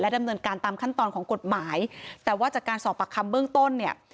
ดำเนินการตามขั้นตอนของกฎหมายแต่ว่าจากการสอบปากคำเบื้องต้นเนี่ย